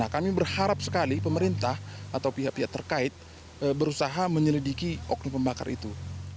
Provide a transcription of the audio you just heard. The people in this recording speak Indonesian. kami berharap sekali pemerintah atau pihak pihak terkait berusaha menyelidiki oknum pembakar itu